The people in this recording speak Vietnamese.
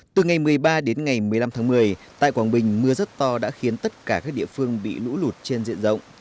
từ ngày một mươi ba đến ngày một mươi năm tháng một mươi tại quảng bình mưa rất to đã khiến tất cả các địa phương bị lũ lụt trên diện rộng